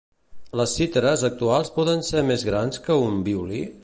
Les cítares actuals poden ser més grans que un violí?